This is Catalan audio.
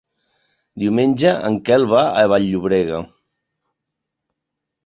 Diumenge en Quel va a Vall-llobrega.